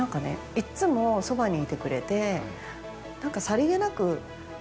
いっつもそばにいてくれて。